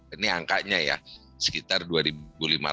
ini angkanya ya sekitar rp dua lima ratus